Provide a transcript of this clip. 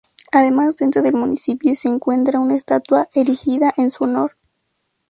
Además dentro del municipio se encuentra una estatua erigida en su honor.